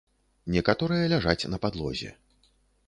Некаторыя ляжаць на падлозе.